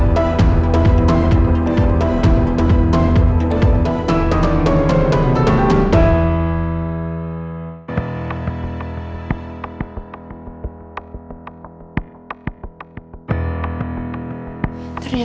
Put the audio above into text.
sampai jumpa di video selanjutnya